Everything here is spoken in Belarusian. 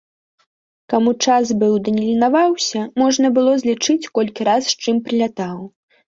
Каму час быў ды не ленаваўся, можна было злічыць, колькі раз з чым прылятаў.